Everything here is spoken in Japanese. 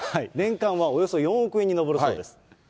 年間はおよそ４億円に上るそうです。